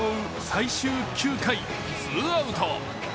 最終９回、ツーアウト。